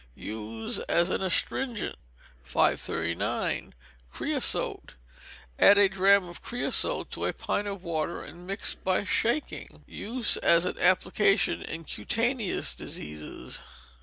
Use as an astringent. 539. Creosote. Add a drachm of creosote to a pint of water, and mix by shaking. Use as an application in cutaneous diseases.